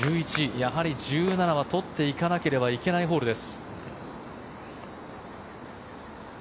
やはり１７は取っていかなければいけないホールです。